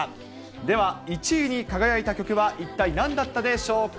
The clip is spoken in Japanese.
では１位に輝いた曲は一体なんだったでしょうか。